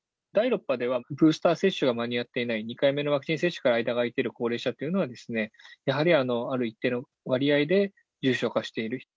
第６波では、ブースター接種が間に合っていない、２回目のワクチン接種から間があいている高齢者というのは、やはりある一定の割合で、重症化している。